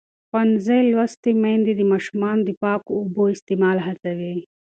ښوونځې لوستې میندې د ماشومانو د پاکو اوبو استعمال هڅوي.